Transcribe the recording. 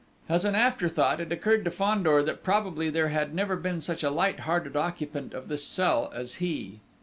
As an afterthought, it occurred to Fandor that probably there had never been such a light hearted occupant of this cell as he....